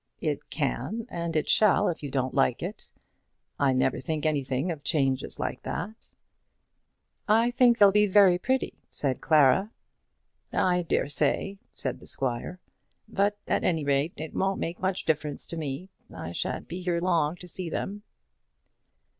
"It can; and it shall, if you don't like it. I never think anything of changes like that." "I think they'll be very pretty!" said Clara. "I dare say," said the squire; "but at any rate it won't make much difference to me. I shan't be here long to see them."